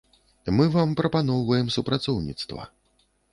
Мы вам прапаноўваем супрацоўніцтва.